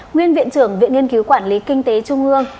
nguyên viện trưởng viện nghiên cứu quản lý kinh tế trung ương